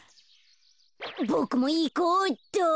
ボクもいこうっと。